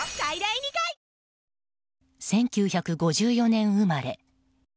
１９５４年生まれ。